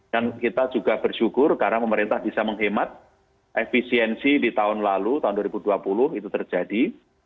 dan kita juga bersyukur karena pemerintah bisa menghemat efisiensi di tahun lalu tahun dua ribu dua puluh itu terjadi